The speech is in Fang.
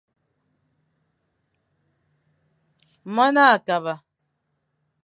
Mon a kaba.